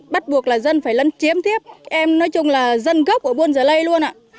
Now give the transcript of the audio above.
bắt buộc là dân phải lân chiếm tiếp em nói chung là dân gốc ở buôn giới lây luôn ạ